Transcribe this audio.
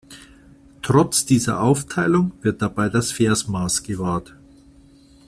Trotz dieser Aufteilung wird dabei das Versmaß gewahrt.